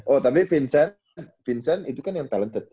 oh tapi vincent itu kan yang talented